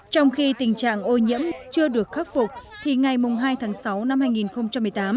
trong khi tình trạng ô nhiễm chưa được khắc phục thì ngày hai tháng sáu năm hai nghìn một mươi tám